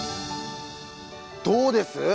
どうです？